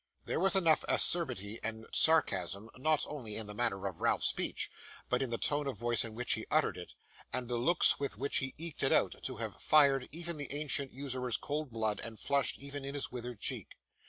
There was enough acerbity and sarcasm not only in the matter of Ralph's speech, but in the tone of voice in which he uttered it, and the looks with which he eked it out, to have fired even the ancient usurer's cold blood and flushed even his withered cheek.